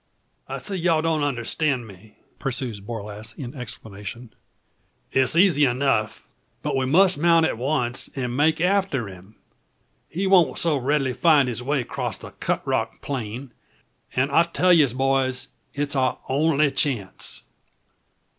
"I see you don't understan' me," pursues Borlasse in explanation. "It's easy enough; but we must mount at once, an' make after him. He won't so readily find his way acrosst the cut rock plain. An' I tell yez, boys, it's our only chance."